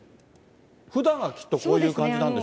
ふだんはきっとこういう感じなんでしょうね。